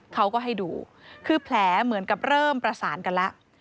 เขาก็ให้ดูคือแผลเหมือนกับเริ่มประสานกันแล้ว